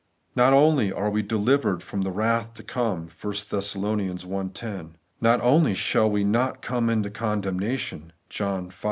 Not only are we ' delivered from the wrath to come ' (1 Thess. i 1 0) ; not only shall we ' not come into condemnation ' (John v.